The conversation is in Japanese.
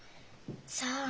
さあ？